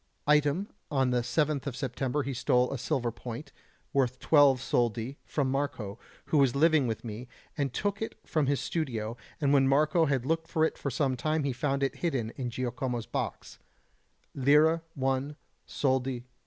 Item: on the 7th of September he stole a silver point, worth twelve soldi, from Marco, who was living with me, and took it from his studio; and when Marco had looked for it for some time he found it hidden in Giacomo's box lire 1, soldi 2.